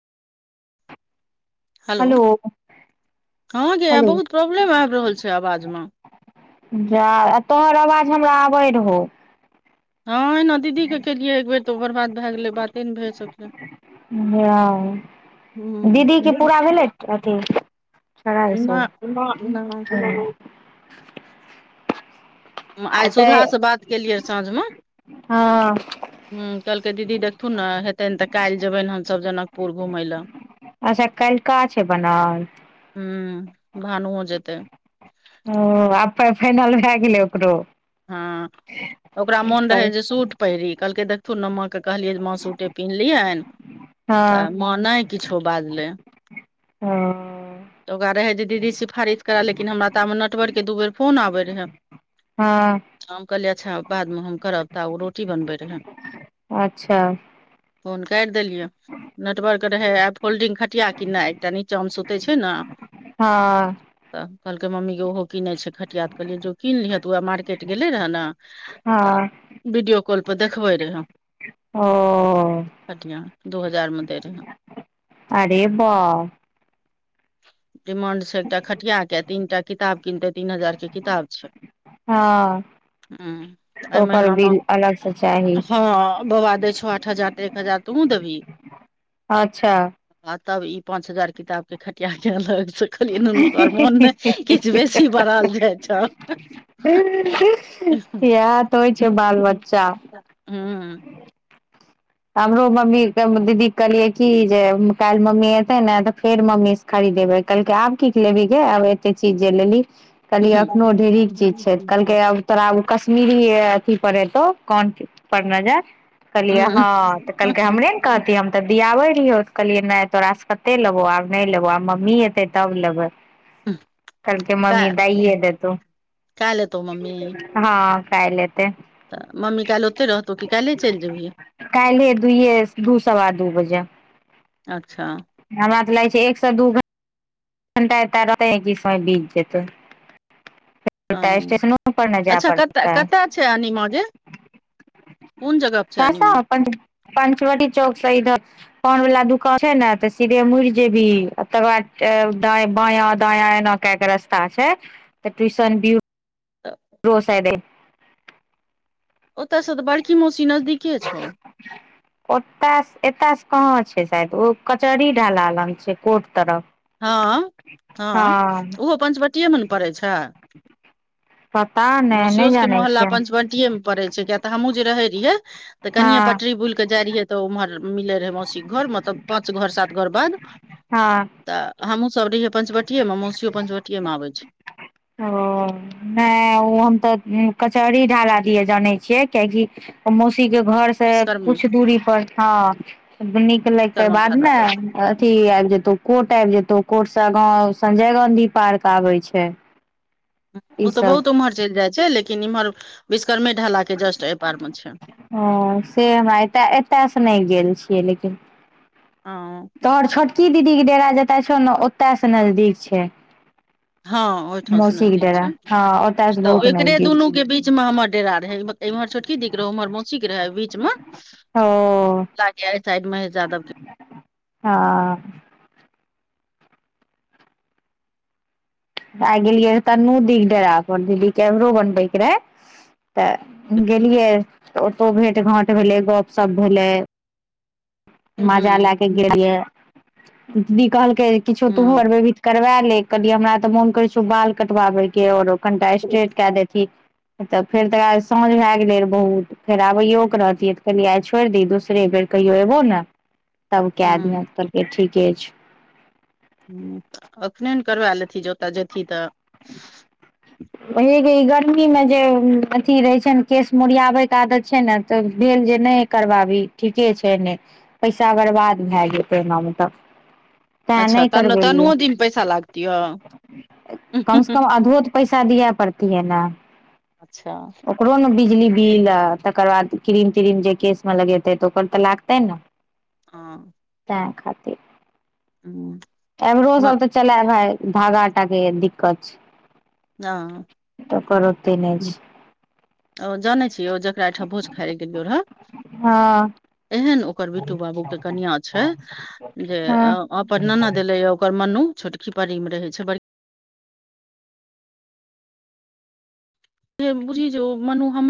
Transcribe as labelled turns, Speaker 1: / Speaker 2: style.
Speaker 1: Hello हँ गय
Speaker 2: hello
Speaker 1: बहुत प्रॉब्लम आबि रहल छै आवाज मे।
Speaker 2: जा आ तोहर आवाज हमरा आबै रहौ।
Speaker 1: हँ एहीना दीदीके केलियै एकबेर तऽ ओकर बाद भए गेलै बाते नहि भए सकलै।
Speaker 2: जा। दीदीके पूरा भेलै अथी [inaudible]
Speaker 1: ह
Speaker 2: सब
Speaker 1: न
Speaker 2: [inaudible] आ
Speaker 1: आइ
Speaker 2: तऽ
Speaker 1: सुधासँ बात केलियै साँझमे।
Speaker 2: हँ
Speaker 1: ह कहलकै दीदी देखथुन ने हेतै तऽ काल्हि जेबनि हम सभ जनकपुर घुमय लए।
Speaker 2: अच्छा कै्लका छै बनल।
Speaker 1: हूँ भानुओ जेतै।
Speaker 2: ओ आब फाइनल भए गेलै ओकरो?
Speaker 1: हँ ओकरा मोन रहै जे सूट पहिरी कहलक देखथुन न माँ के कहलियै जे माँ सूटे पिनहलियेन
Speaker 2: हँ
Speaker 1: त माँ नै किछो बाजले।
Speaker 2: ओ।
Speaker 1: तऽ ओकरा रहै जे दीदी सिफारिश करय लेकिन हमरा तामे नटबर के दू बेर फोन आबैत रहै।
Speaker 2: हाँ
Speaker 1: हम कहलियै अच्छा बादमे हम करब तऽ ओ रोटी बनबै रहै
Speaker 2: अच्छा
Speaker 1: फोन काटि देलियै, नेटवर्क रहै। आब फोल्डिंग खटिया की नहि, एकटा नीचा मे सुतै छै। से ने
Speaker 2: हँ
Speaker 1: तऽ कहलकै मम्मी ग ओहो किनै छै खटिया तऽ कहलियै जो कीनलिह तऽ ओए मार्केट गेलै रहै ने तऽ
Speaker 2: हँ
Speaker 1: वीडियो कॉल पर देखबै रहय
Speaker 2: हाँ
Speaker 1: खटिया दू हजारमे देे रहे
Speaker 2: अरे बा
Speaker 1: डिमांड छै एकटा खटियाके तीन टा किताब किनतै तीन हजारके किताब छै
Speaker 2: हँ
Speaker 1: हाँ तऽ अहि
Speaker 2: ओकर
Speaker 1: महीनामे
Speaker 2: बिल अलग से चाही
Speaker 1: हँ बाबा दै छौ आठ हजार तऽ एक हजार तुहुँ देबही
Speaker 2: अच्छा
Speaker 1: आ तब ई पाँंच हजार किताब के खटिया के अलग छै
Speaker 2: ह [unintelligible]
Speaker 1: बेसी बढ़ल
Speaker 2: एहा
Speaker 1: जाइ छौ
Speaker 2: तऽ होइ छै बाल बच्चा
Speaker 1: हू
Speaker 2: हमरो मम्मीे दीदी [unintelligible] कहलियै कि जे काइल्ह मम्मी एतै ने तऽ फेर मम्मी खरीदेबै कहलकै आब की लेबही के आब एते चीज जे लेली कहलियै
Speaker 1: हूँ
Speaker 2: एखनो ढेरिक चीज छै कहलकै आब तोरा कश्मीरी अथी पर एतौ कोन [unintelligible] पर नजर कहलियै हँ तऽ कहलकै हमरे ने कहती हम तऽ दियाबै रहियौ तऽ कहलियै नहि तोरासँ कते लेबो आब नहि लेबो आ मम्मी एतै तब लेबै कलके मम्मी
Speaker 1: काल्हि
Speaker 2: दइए देतौ
Speaker 1: काल्हि एतौ मम्मी
Speaker 2: हँ काइल एतै
Speaker 1: तऽ मम्मी काइल ओते रहतौ की काइल्हे चलि जेबही
Speaker 2: काइल्हे दहे दू सवा दू बजे
Speaker 1: अच्छा
Speaker 2: हमरा तऽ लागै छै एक सँ दू घ घंटा एत रहतै समय बीत जेतै [unintelligible] एक घंटा [unintelligible]
Speaker 1: हँ
Speaker 2: स्टेशनो पर नहि जाय
Speaker 1: अच्छा कतऽ
Speaker 2: पड़तै
Speaker 1: कतऽ छै अनिमा गे कोन जगह पर छै
Speaker 2: बाबा
Speaker 1: अनिमा
Speaker 2: अपन पंचवटी चौक सँ ईधर [unintelligible] फोन वाला दुकान छै ने ते सीधे मुड़ि जेबी तकर बाद दायाँ-बायाँ दायाँ एना के कऽ रास्ता छै तऽ ट्यूशन भी।
Speaker 1: तऽ [inaudible]
Speaker 2: रोसेद [unintelligible]
Speaker 1: ओतसँ तऽ बड़की मौसी नजदीके छौ
Speaker 2: ओतऽ एतयसँ कहाँ छै, शायद ओ कचहरी ढाल लग छै, कोर्ट तरफ।
Speaker 1: हँ हँ, ओहो पंचवटीमे नहि पढ़ै छै।
Speaker 2: पता नहि
Speaker 1: मौसीयो
Speaker 2: नहि
Speaker 1: सब के
Speaker 2: जानै
Speaker 1: मोहल्ला
Speaker 2: छियै
Speaker 1: पंचवटीये मे पड़ै छै किया तऽ हमहूँ जे रहै रहियै तऽ
Speaker 2: हँ
Speaker 1: कनिये पटरी बुल केऽ जाइ रहियै तऽ उम्हर मिलै रहै मौसीक घर मतलब पाँच घर सात घर बाद
Speaker 2: हँ
Speaker 1: तऽ हमहूं सब रहियै पंचवटीएमे मौसियो पंचवटीएमे आबै छै।
Speaker 2: ओ नहि ऊ हम तऽ कचहरी ढाला दिय जानै छियै किएकि ओ मौसी के घर से
Speaker 1: विश्वकर्म
Speaker 2: कुछ दूरी पर हं निकलै के
Speaker 1: विश्वकर्मा
Speaker 2: बाद
Speaker 1: ढाला
Speaker 2: ने अथी आबि जेतौ कोर्ट आबि जेतौ कोर्ट से आगाॅं संजय गांधी पार्क आबै छै ई
Speaker 1: ओ तऽ
Speaker 2: सब
Speaker 1: बहुत उम्हर चलि जाइ छै लेकिन इम्हर विश्वकर्मे ढाला के जस्ट एहि पार मे छै।
Speaker 2: ओ से हमरा एते एतयसे नहि गेल छियै लेकिन।
Speaker 1: अंओ
Speaker 2: तोहर छोटकी दीदी के डेरा जतय छौ ने ओतय से नजदीक छै।
Speaker 1: हँ ओहिठाम सँ
Speaker 2: मौसी के
Speaker 1: नजदीक
Speaker 2: डेरा
Speaker 1: छै
Speaker 2: हँ ओतय से
Speaker 1: तऽ
Speaker 2: बहुत
Speaker 1: ओकरे
Speaker 2: नजदीक
Speaker 1: दुनू
Speaker 2: छै
Speaker 1: के बीच मे हमर डेरा रहै एम्हर छोटकी दी के रहै ओम्हर मौसी के रहै अइ बीच मे
Speaker 2: ओ
Speaker 1: लागे एहि साइड महेश यादव के
Speaker 2: हँ। आइ गेलियै तनू दी के डेरा पर दीदी के आइब्रो बनबै के रहै तऽ गेलियै तऽ ओतौ भेँट घाँट भेलै गपशप भेलै माजा
Speaker 1: हूँ
Speaker 2: लए के गेलियै दीदी कहलकै किछो तुहू
Speaker 1: हूँ
Speaker 2: और बेबी करबै ले कहलियै हमरा तऽ मोन करै छौ बाल कटबाबेके औरो कनिटा स्ट्रेट कए दैतही तऽ फेर त आइ साँझ भए गेलै रहै बहुत फेर आबैयो के रहतियै तऽ कहलियै आइ छोड़ि दीही दोसरे बेर कहियो एबौ ने तब कै
Speaker 1: हूँ
Speaker 2: दिहें, कहलकै ठीके छय।
Speaker 1: हूं त अखने ने करवै लेतहि ज ओत जेतहि तऽ
Speaker 2: [unintelligible] हे गे इ गर्मी मे जे अथी रहै छय ने केश मोरियाबयके आदत छैय ने तऽ भेल जे नहि करबाबी ठीके छय ने पैसा बर्बाद भए जेतै एना मे त तैं
Speaker 1: अच्छा
Speaker 2: नहि
Speaker 1: तनु
Speaker 2: करबेलियै
Speaker 1: तनुओ दीमे पैसा लागतिह
Speaker 2: कम स कम अधो त पैसा दियै पड़तीयै ने
Speaker 1: अच्छा
Speaker 2: ओकरो न बिजली बिल आ तकर बाद क्रीम त्रीम जे केशमे लगेतै तऽ ओकर तऽ लागतै न।
Speaker 1: हँ
Speaker 2: तें खातिर आइब्रो सब तऽ चलै भाइ धागा टा के य दिक्कत छय।
Speaker 1: हँ
Speaker 2: तकर ओते नहि छय।
Speaker 1: ओ जानै छी ओ जकरा ओंइठा भोज खाय ले गेलियो रहै
Speaker 2: हँ
Speaker 1: एहन ओकर बिट्टू बाबू के कनिया छय जे
Speaker 2: हँ
Speaker 1: अ अपन ननद एलैयै ओकर मनु छोटकी पडडि में रहै छय बड़ से बुझी जे ओ मनु हम